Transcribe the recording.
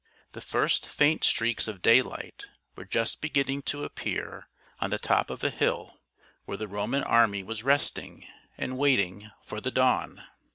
The first faint streaks of daylight were just beginning to appear on the top of a hill where the Roman army was resting and waiting for the dawn.